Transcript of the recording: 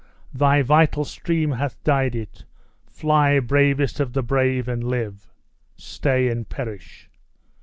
Thy vital stream hath dyed it. Fly, bravest of the brave, and live! Stay, and perish!"